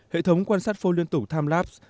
hệ thống quan sát phôi liên tục timelapse